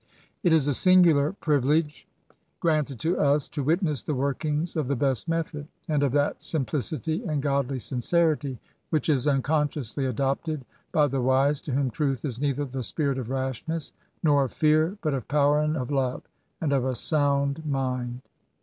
It is a singular privilege granted to us, to witness the workings of the best method, — of that ^' simplicity and godly sincerity'* which is unconsciously adopted by the wise to whom Truth is neither the spirit of rashness, nor " of fear, but of power and of love, and of a sound mind.'